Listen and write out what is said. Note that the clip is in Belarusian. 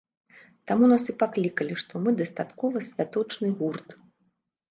Таму нас і паклікалі, што мы дастаткова святочны гурт.